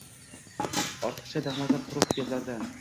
Ortiqcha daxmaza, quruq gaplardan